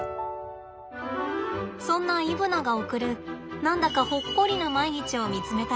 そんなイブナが送る何だかほっこりな毎日を見つめたよ。